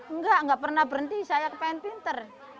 enggak nggak pernah berhenti saya kepain pinter